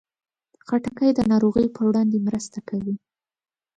خټکی د ناروغیو پر وړاندې مرسته کوي.